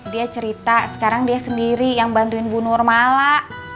dia cerita sekarang dia sendiri yang bantuin bu nurmala